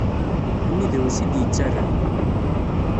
Imi drus i d-yettarran.